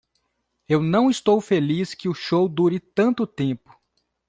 Eu não estou feliz que o show dure tanto tempo.